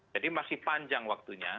jadi masih panjang waktunya